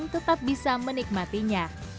tetap bisa menikmatinya